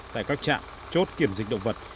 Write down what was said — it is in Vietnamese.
tại các trạm chốt kiểm dịch động vật